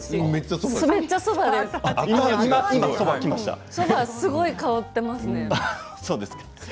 そばがすごい香っています。